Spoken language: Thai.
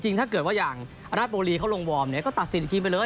ถ้าเกิดว่าอย่างรัฐบุรีเขาลงวอร์มเนี่ยก็ตัดสินอีกทีไปเลย